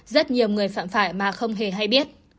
rất nhiều người phạm phải mà không hề hay biết